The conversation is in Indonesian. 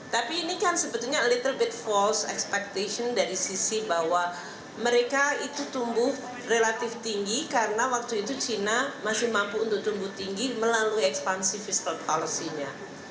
tapi ini kan sebetulnya little bit false expectation dari sisi bahwa mereka itu tumbuh relatif tinggi karena waktu itu cina masih mampu untuk tumbuh tinggi melalui ekspansi fiscal policy nya